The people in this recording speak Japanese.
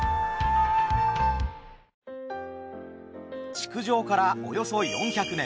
築城からおよそ４００年。